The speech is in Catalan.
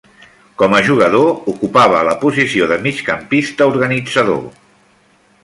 Com a jugador, ocupava la posició de migcampista organitzador.